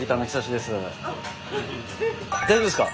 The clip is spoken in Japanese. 大丈夫ですか？